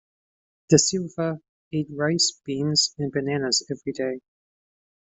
Da Silva ate rice, beans, and bananas every day.